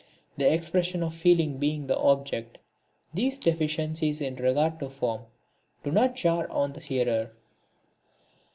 The expression of feeling being the object, these deficiencies in regard to form do not jar on the hearer.